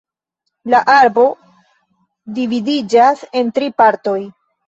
La arbo dividiĝas en tri partoj.